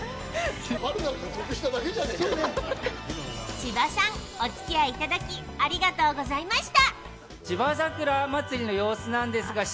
千葉さん、お付き合いいただき、ありがとうございました。